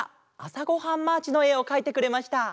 「あさごはんマーチ」のえをかいてくれました！